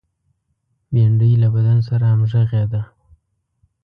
بېنډۍ له بدن سره همغږې ده